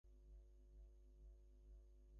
শুভরাত্রি, রোবট।